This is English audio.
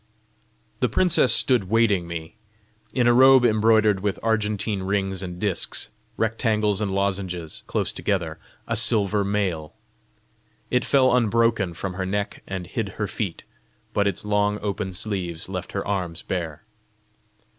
The princess stood waiting me, in a robe embroidered with argentine rings and discs, rectangles and lozenges, close together a silver mail. It fell unbroken from her neck and hid her feet, but its long open sleeves left her arms bare.